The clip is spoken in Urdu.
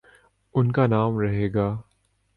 ان کانام رہے گا۔